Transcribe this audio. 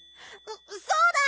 そうだ！